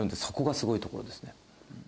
そこがすごいところですね。